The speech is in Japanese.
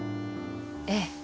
ええ。